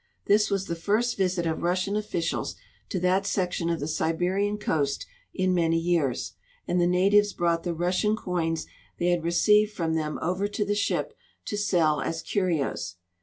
This was the first visit of Russian officials to that section of the Siberian coast in many years, and the natives brought the Russian coins they had received from them over to the ship to sell as curios.